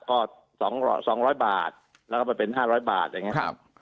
ก็๒๐๐บาทแล้วก็เป็น๕๐๐บาทอย่างนี้ครับ